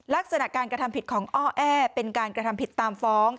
ลักษณะการกระทำผิดของอ้อแอ้เป็นการกระทำผิดตามฟ้อง